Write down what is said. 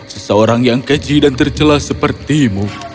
seseorang yang keji dan tercelah sepertimu